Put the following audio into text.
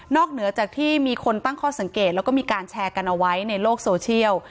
เหนือจากที่มีคนตั้งข้อสังเกตแล้วก็มีการแชร์กันเอาไว้ในโลกโซเชียล